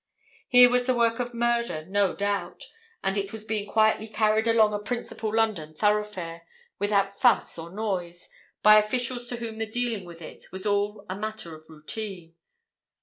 Here was the work of murder, no doubt, and it was being quietly carried along a principal London thoroughfare, without fuss or noise, by officials to whom the dealing with it was all a matter of routine.